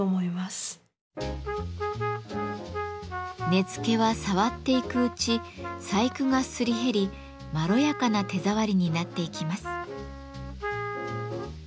根付は触っていくうち細工がすり減りまろやかな手触りになっていきます。